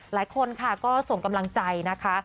หลายคนค่ะก็ส่งกำลังใจนะคะ